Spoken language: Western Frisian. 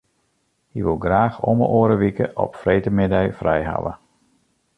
Hy woe graach om 'e oare wike op freedtemiddei frij hawwe.